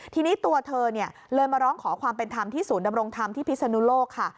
ทีนี้ตัวเธอเลยมาร้องขอความเป็นธรรมที่ศูนย์ดำรงธรรมที่พิศนุโลกค่ะ